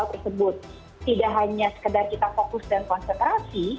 tersebut tidak hanya sekedar kita fokus dan konsentrasi